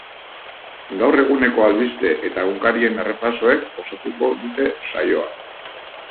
Gaur eguneko albiste eta egunkarien errepasoek osatuko dute saioa.